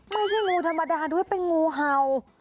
งูธรรมดาด้วยเป็นงูเห่า